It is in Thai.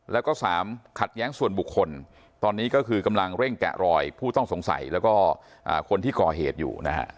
แล้วก็สามขัดแย้งส่วนบุคคลตอนนี้ก็คือกำลังเร่งแกะรอยผู้ต้องสงสัยแล้วก็คนที่ก่อเหตุอยู่นะฮะ